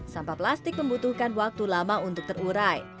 sampah plastik membutuhkan waktu lama untuk terurai